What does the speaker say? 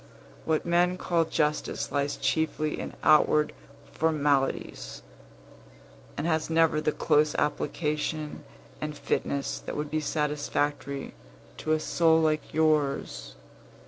What men call justice lies chiefly in outward formalities, and has never the close application and fitness that would be satisfactory to a soul like yours.